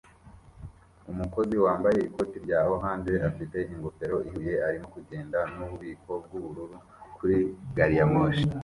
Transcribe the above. Umukozi wambaye ikoti rya orange afite ingofero ihuye arimo kugenda nububiko bwubururu kuri gariyamoshi